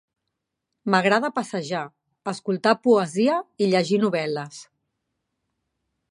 M'agrada passejar, escoltar poesia i llegir novel·les.